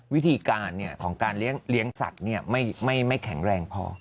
วิธีการของการเลี้ยงสัตว์ไม่แข็งแรงพอ